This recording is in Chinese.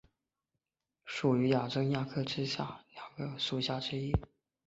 砗磲蛤属为砗磲亚科之下两个属之一。